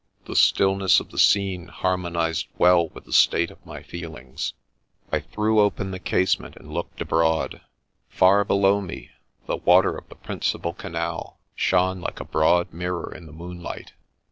The stillness of the scene har monized well with the state of my feelings. I threw open the 128 SINGULAR PASSAGE IN THE LIFE OF casement and looked abroad. Far below me, the waters of the principal canal shone like a broad mirror in the moonlight.